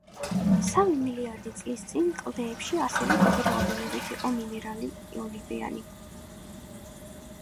სამი მილიარდი წლის წინ კლდეებში ასევე დიდი რაოდენობით იყო მინერალი ოლივინი.